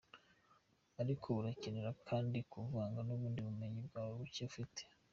Ariko urakenera kandi kuvanga n'ubundi bumenyi bwawe buke ufise.